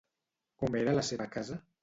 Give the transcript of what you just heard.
Com era la seva casa?